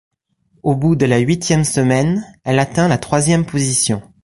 Au bout de la huitième semaine, elle atteint la troisième position.